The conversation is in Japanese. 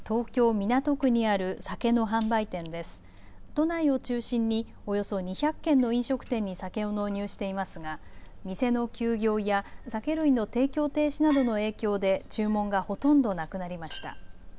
都内を中心におよそ２００軒の飲食店に酒を納入していますが店の休業や酒類の提供停止などの影響で注文がほとんどなくなりました。